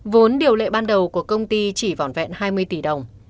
vốn điều lệ ban đầu của công ty chỉ vòn vẹn hai mươi tỷ đồng